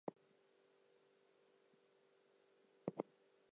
It was built as part of the Central Galilee Development Project.